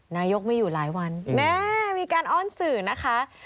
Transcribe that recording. นายกไม่อยู่หลายวันแม่มีการอ้อนสื่อนะคะ